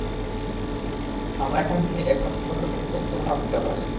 আমরা এখান থেকে একটা ছোটখাটো যুদ্ধ পরিচালনা করতে পারি।